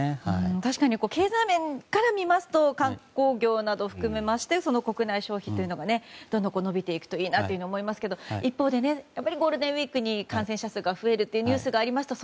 確かに経済面から見ますと観光業などを含めて国内消費がどんどん増えるといいなと思いますが一方でゴールデンウィークに感染者数が増えるというニュースがありました。